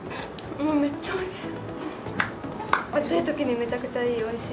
めっちゃおいしい。